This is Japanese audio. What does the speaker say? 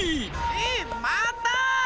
えっまた⁉